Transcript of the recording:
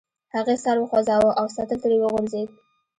هغې سر وخوزاوه او سطل ترې وغورځید.